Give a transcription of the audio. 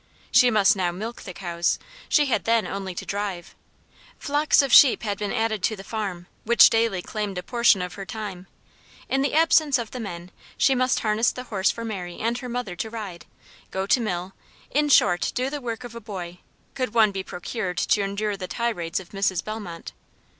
She must now MILK the cows, she had then only to drive. Flocks of sheep had been added to the farm, which daily claimed a portion of her time. In the absence of the men, she must harness the horse for Mary and her mother to ride, go to mill, in short, do the work of a boy, could one be procured to endure the tirades of Mrs. Bellmont.